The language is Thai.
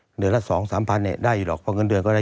เหนือละ๒๓พันใจได้อยู่ดีครับ